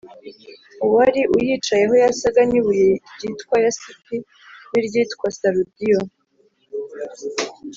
Uwari uyicayeho yasaga n’ibuye ryitwa yasipi n’iryitwa sarudiyo,